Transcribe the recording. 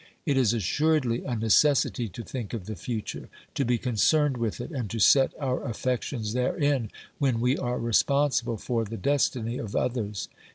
It is assuredly a necessity to think of the future, to be concerned OBERMANN i6i with it, and to set our affections therein when we are responsible for the destiny of others.